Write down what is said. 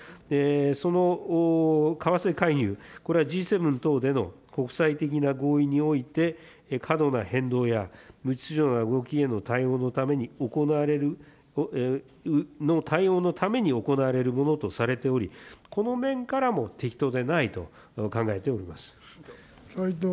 その為替介入、これはＧ７等での国際的な合意において過度な変動や無秩序な動きへの対応のために行われる、対応のために行われるものとされており、この面からも適当でないと考えております。